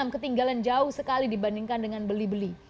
ketinggalan jauh sekali dibandingkan dengan belibeli